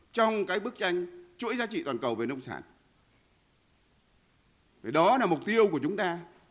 trong cái bức tranh chuỗi giá trị toàn cầu về nông sản đó là mục tiêu của chúng ta